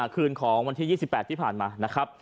คืนของวันที่๒๘ที่ผ่านมา